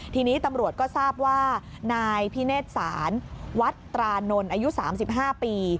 ทีนี้ตำรวจก็ทราบว่านายพิเนศศาลวัดตรานนท์อายุ๓๕ปี